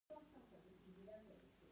زړه د قربانۍ سره آرامېږي.